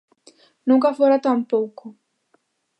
Nunca fora tan pouco.